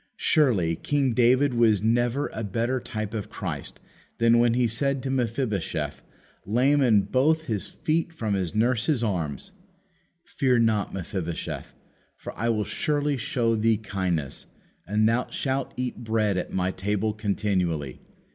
Surely King David was never a better type of Christ than when he said to Mephibosheth, lame in both his feet from his nurse's arms: "Fear not, Mephibosheth, for I will surely show thee kindness, and thou shalt eat bread at my table continually."